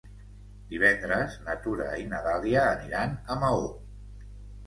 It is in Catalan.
Divendres na Tura i na Dàlia aniran a Maó.